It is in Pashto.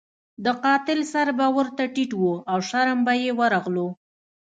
د قاتل سر به ورته ټیټ وو او شرم به یې ورغلو.